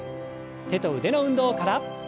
手と腕の運動から。